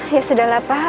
ya sudah lah pak